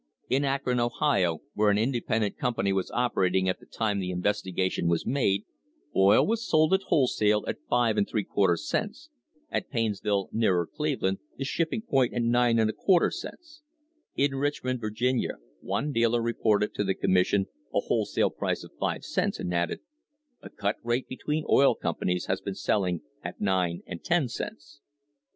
In Akron, Ohio, where an independent com [ 222 ] THE PRICE OF OIL pany was operating at the time the investigation was made, oil was sold at wholesale at 5% cents; at Painesville, nearer Cleveland, the shipping point, at 9^4 cents. In Richmond, Virginia, one dealer reported to the commission a wholesale price of 5 cents, and added: "A cut rate between oil com panies; has been selling at 9 and 10 cents."